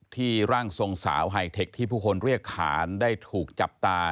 ร่างทรงสาวไฮเทคที่ผู้คนเรียกขานได้ถูกจับตา